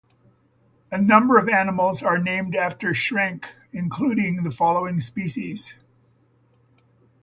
A number of animals are named after Schrenck, including the following species.